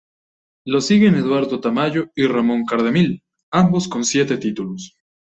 Lo siguen Eduardo Tamayo y Ramón Cardemil, ambos con siete títulos.